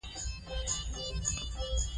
فساد د ټولنې بنسټونه خرابوي.